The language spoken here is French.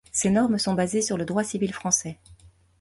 Ces normes sont basées sur le droit civil français.